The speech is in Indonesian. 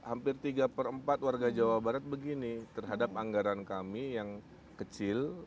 hampir tiga per empat warga jawa barat begini terhadap anggaran kami yang kecil